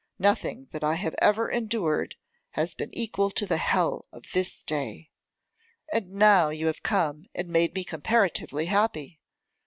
nothing that I have ever endured has been equal to the hell of this day. And now you have come and made me comparatively happy.